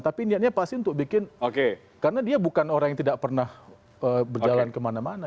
tapi niatnya pasti untuk bikin karena dia bukan orang yang tidak pernah berjalan kemana mana